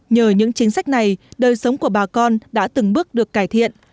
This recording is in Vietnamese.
nhờ những chính sách này đời sống của bà con đã từng bước được cải thiện